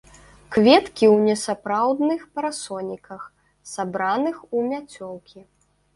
Кветкі ў несапраўдных парасоніках, сабраных у мяцёлкі.